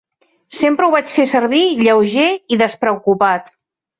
Sempre ho vaig fer servir lleuger i despreocupat.